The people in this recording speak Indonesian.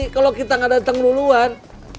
kalau kita nggak datang duluan